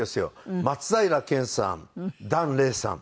松平健さん檀れいさん